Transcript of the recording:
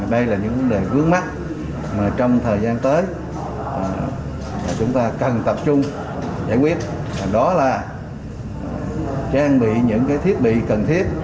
đây là những vấn đề vướng mắt mà trong thời gian tới chúng ta cần tập trung giải quyết đó là trang bị những thiết bị cần thiết